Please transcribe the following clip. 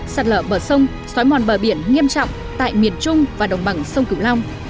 sạt lở bờ sông xói mòn bờ biển nghiêm trọng tại miền trung và đồng bằng sông cửu long